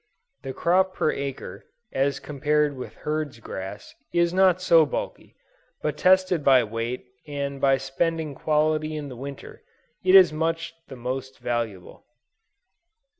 The crop per acre, as compared with herds grass, is not so bulky; but tested by weight and by spending quality in the Winter, it is much the most valuable."